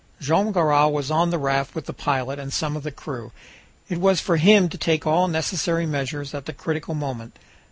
Joam Garral was on the raft with the pilot and some of the crew. It was for him to take all the necessary measures at the critical moment.